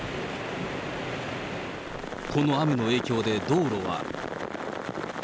この雨の影響で道路は。